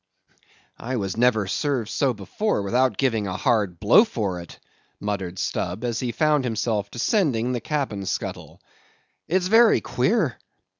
"I was never served so before without giving a hard blow for it," muttered Stubb, as he found himself descending the cabin scuttle. "It's very queer.